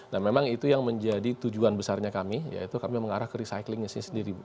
nah memang itu yang menjadi tujuan besarnya kami yaitu kami mengarah ke recyclingnya sih sendiri